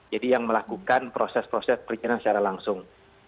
yang melakukan proses proses perizinan secara langsung